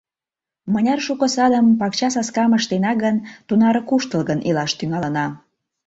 Мыняр шуко садым, пакча саскам ыштена гын, тунаре куштылгын илаш тӱҥалына.